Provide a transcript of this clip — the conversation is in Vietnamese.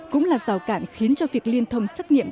cũng là rào cản khiến cho việc liên thông xét nghiệm